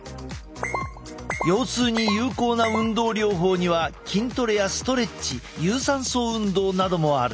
腰痛に有効な運動療法には筋トレやストレッチ有酸素運動などもある。